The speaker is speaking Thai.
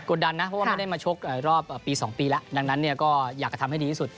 ดันนะเพราะว่าไม่ได้มาชกรอบปี๒ปีแล้วดังนั้นเนี่ยก็อยากจะทำให้ดีที่สุด